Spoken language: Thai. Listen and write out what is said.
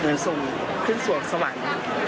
เหมือนส่งขึ้นสวรรค์สวรรค์